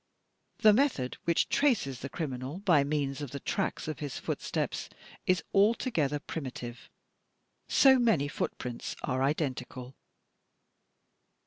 "The method which traces the criminal by means of the tracks of his footsteps is altogether primitive. So many footprints are identi cal.